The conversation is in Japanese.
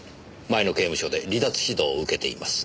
前の刑務所で離脱指導を受けています。